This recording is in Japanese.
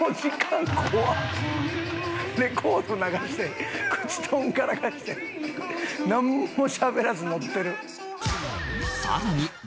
レコード流して口とんがらかしてなんもしゃべらずノッてる。